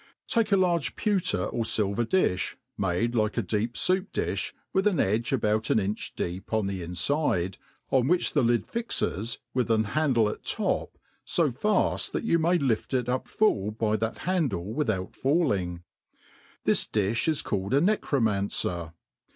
', TAKE a large pewter or filver (lifh, made like a deep foup dffh, with an edge about an inch deep en the infide,, on which the lid fixes (with an handle at top), fa faft that you may lift it up full by that handle without falling. This difh is Called a necromancer.